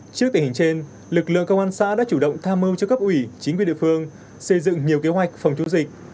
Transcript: trước tình hình trên lực lượng công an xã đã chủ động tha mơ cho các ủy chính quyền địa phương xây dựng nhiều kế hoạch phòng chống dịch